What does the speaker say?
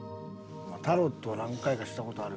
タロットは何回かした事ある。